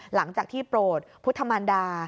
หลังจากที่โปรดพุทธมันดา